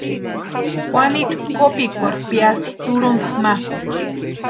Juanitu kopikwarhu piasti turhumpa ma.